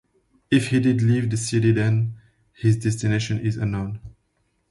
If he did leave the city then, his destination is unknown.